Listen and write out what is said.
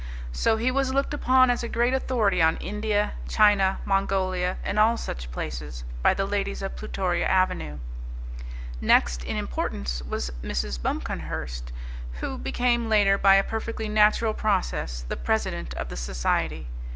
So he was looked upon as a great authority on India, China, Mongolia, and all such places, by the ladies of Plutoria Avenue. Next in importance was Mrs. Buncomhearst, who became later, by a perfectly natural process, the president of the society.